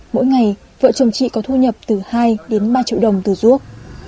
mỗi ngày vợ chồng chị có thu nhập từ hai đến ba triệu đồng từ ruốc